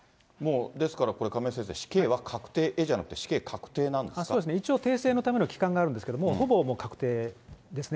ですからこれ、亀井先生、死刑は確定へじゃなくて、死刑確定一応、訂正のための期間があるんですけれども、ほぼ確定ですね。